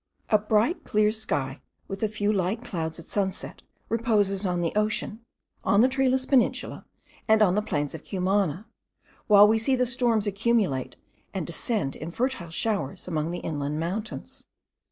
A bright clear sky, with a few light clouds at sunset, reposes on the ocean, on the treeless peninsula, and on the plains of Cumana, while we see the storms accumulate and descend in fertile showers among the inland mountains.